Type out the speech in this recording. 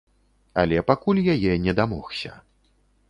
Але пакуль яе не дамогся.